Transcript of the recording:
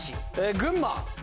群馬。